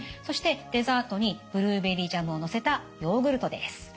そしてデザートにブルーベリージャムをのせたヨーグルトです。